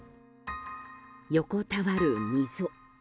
横たわる溝。